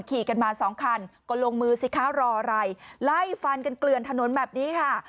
ขี่กันมาสองคันก็ลงมือสิคะรออะไรไล่ฟันกันเกลือนถนนแบบนี้ค่ะ